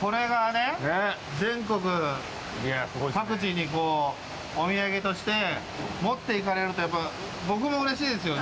これがね、全国各地にお土産として持って行かれるとやっぱ僕もうれしいですよね。